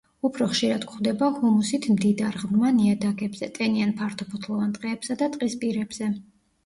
უფრო ხშირად გვხვდება ჰუმუსით მდიდარ, ღრმა ნიადაგებზე, ტენიან ფართოფოთლოვან ტყეებსა და ტყის პირებზე.